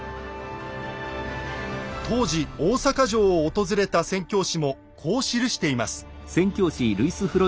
当時大坂城を訪れた宣教師もこう記しています。